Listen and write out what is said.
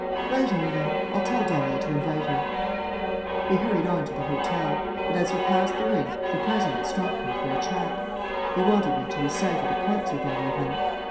"Right o, then. I'll tell Dahlia to invite her." We hurried on to the hotel; but as we passed the rink the President stopped me for a chat. He wanted me to recite at a concert that evening.